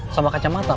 sama kacamata pak